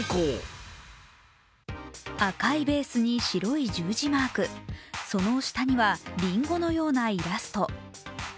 赤色のベースに白い十字マークその下にはりんごのようなイラスト。